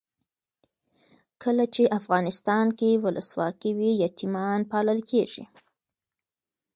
کله چې افغانستان کې ولسواکي وي یتیمان پالل کیږي.